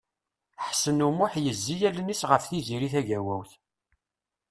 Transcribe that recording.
Ḥsen U Muḥ yezzi allen-is ɣef Tiziri Tagawawt.